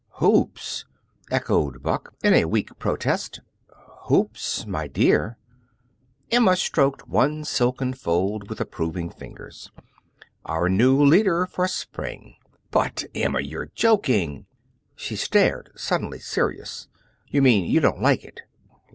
"Hoops!" echoed Buck, in weak protest. "Hoops, my DEAR!" Emma stroked one silken fold with approving fingers. "Our new leader for spring." "But, Emma, you're joking!" She stared, suddenly serious. "You mean you don't like it!"